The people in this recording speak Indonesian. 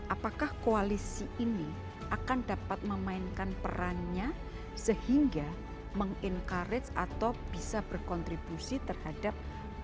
apakah koalisi ini akan dapat memainkan perannya sehingga meng encourage atau bisa berkontribusi terhadap